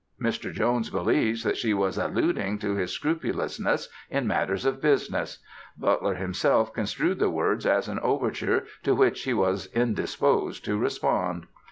Mr. Jones believes that she was alluding to his scrupulousness in matters of business. Butler himself construed the words as an overture to which he was indisposed to respond.